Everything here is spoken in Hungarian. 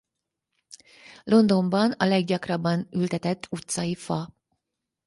Londonban a leggyakrabban ültetett utcai fa.